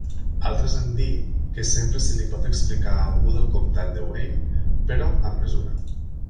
Altres han dit que sempre se li pot explicar a algú del comtat de Wayne, però amb mesura.